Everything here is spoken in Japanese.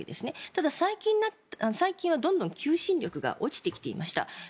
ただ、最近はどんどん求心力が落ちてきていました。